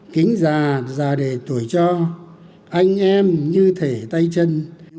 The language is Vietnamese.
kính già già đẻ tuổi cho anh em như thể tay chân